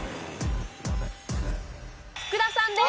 福田さんです。